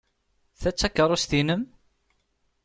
Ta d takeṛṛust-nnem?